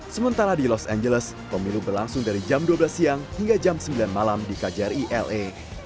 sementara di los angeles pemilu berlangsung dari jam dua belas siang hingga jam sembilan malam di kjri la